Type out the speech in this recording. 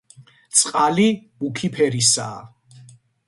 წყალი მუქი ფერისაა.